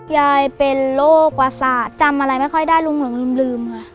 ยายเป็นโรคประสาทจำอะไรไม่ค่อยได้ลุงหลงลืมค่ะ